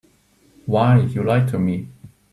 Why, you lied to me.